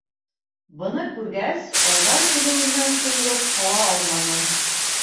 Быны күргәс, Айҙар көлөүенән тыйылып ҡала алманы.